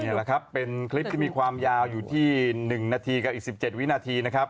นี้แหละครับเป็นคลิปที่มีความยาวตั้งแต่๑นาทีและ๑๗วินาที